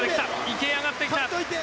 池江、上がってきた。